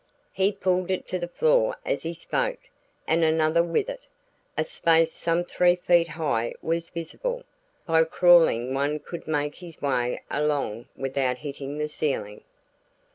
He pulled it to the floor as he spoke, and another with it. A space some three feet high was visible; by crawling one could make his way along without hitting the ceiling.